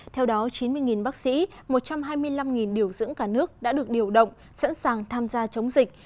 theo đó chín mươi bác sĩ một trăm hai mươi năm điều dưỡng cả nước đã được điều động sẵn sàng tham gia chống dịch